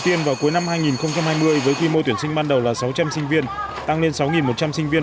tiên vào cuối năm hai nghìn hai mươi với quy mô tuyển sinh ban đầu là sáu trăm linh sinh viên tăng lên sáu một trăm linh sinh viên